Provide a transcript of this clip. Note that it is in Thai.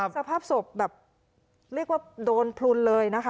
สภาพศพแบบเรียกว่าโดนพลุนเลยนะคะ